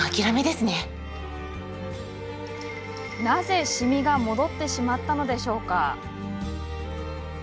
なぜ、シミが戻ってしまったのでしょうか？